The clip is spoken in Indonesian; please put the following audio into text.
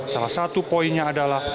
salah satu poinnya adalah